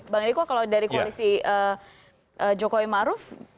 bang eriko kalau dari koalisi jokowi maruf